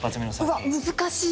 うわ難しい！